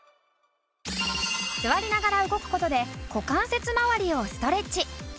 座りながら動く事で股関節まわりをストレッチ。